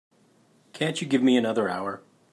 Can't you give me another hour?